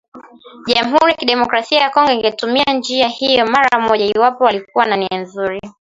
jamhuri ya kidemokrasia ya Kongo ingetumia njia hiyo mara moja iwapo walikuwa na nia nzuri